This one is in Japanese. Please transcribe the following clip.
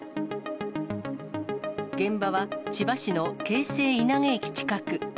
現場は、千葉市の京成稲毛駅近く。